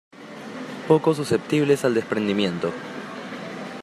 Poco susceptibles al desprendimiento.